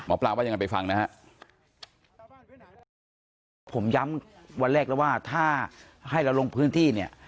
หมอปลาบอกอย่างนั้นไปฟังนะฮะผมย้ำวันแรกแล้วว่าถ้าให้เราลงพื้นที่เนี่ย